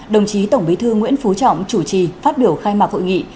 đồng chí tổng bí thư nguyễn phú trọng chủ trì phát biểu khai mạc hội nghị